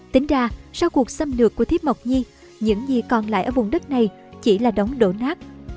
tính ra sau cuộc xâm lược của thiên mộc nhi những gì còn lại ở vùng đất này chỉ là đống đổ nát